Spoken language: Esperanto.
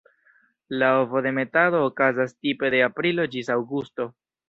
La ovodemetado okazas tipe de aprilo ĝis aŭgusto.